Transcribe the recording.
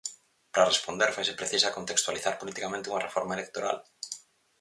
Para responder faise precisa contextualizar politicamente unha reforma electoral.